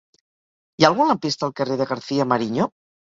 Hi ha algun lampista al carrer de García-Mariño?